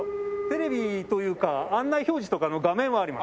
テレビというか案内表示とかの画面はあります。